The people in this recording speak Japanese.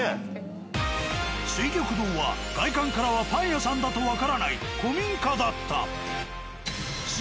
「翠玉堂」は外観からはパン屋さんだとわからない古民家だった。